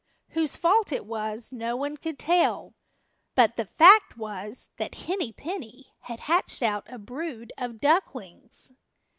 Whose fault it was no one could tell; but the fact was that Henny Penny had hatched out a brood of ducklings.